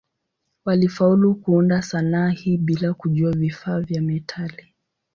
Walifaulu kuunda sanaa hii bila kujua vifaa vya metali.